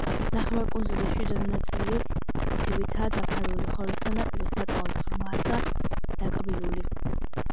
ნახევარკუნძულის შიდა ნაწილი მთებითაა დაფარული, ხოლო სანაპირო საკმაოდ ღრმაა და დაკბილული.